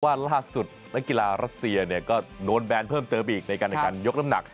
ว่าล่าสุดนักกีฬารัศเซียเนี่ยก็โน้นแบรนด์เพิ่มเติ้ลอีกในการยกน้ำหนัก